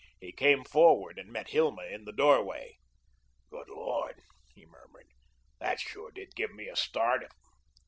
He came forward and met Hilma in the doorway. "Good Lord," he murmured, "that sure did give me a start.